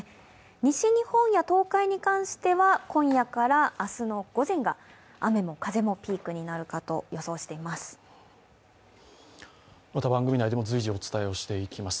西日本や東海に関しては今夜から明日の午前が雨も風もピークになると予想しています。